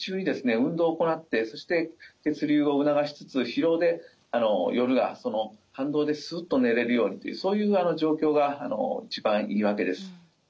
運動を行ってそして血流を促しつつ疲労で夜がその反動ですっと寝れるようにというそういう状況が一番いいわけです。